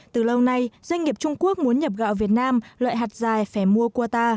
từ lâu nay doanh nghiệp trung quốc muốn nhập gạo việt nam loại hạt dài phải mua qua